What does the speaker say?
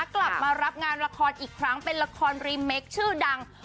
กลับมารับงานละครอีกครั้งเป็นละครรีเมคชื่อดัง